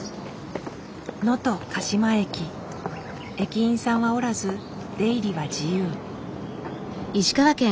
駅員さんはおらず出入りは自由。